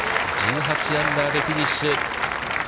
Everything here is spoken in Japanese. １８アンダーでフィニッシュ。